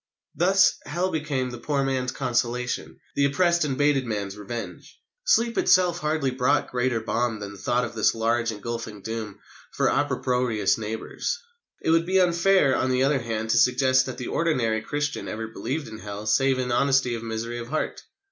Thus, Hell became the poor man's consolation, the oppressed and baited man's revenge. Sleep itself hardly brought greater balm that the thought of this large engulfing doom for opprobrious neighbours. It would be unfair, on the other hand, to suggest that the ordinary Christian ever believed in Hell save in honest misery of heart.